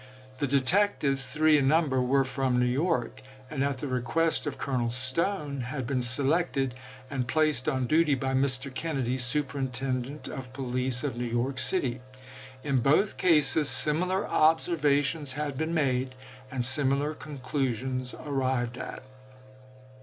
The detectives, three in number, were from New York, and at the request of Colonel Stone had been selected and placed on duty by Mr. Kennedy, Superintendent of Police of New York City.1 In both cases similar observations had been made, and similar conclusions arrived at.